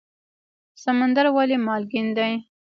سمندر ولې مالګین دی؟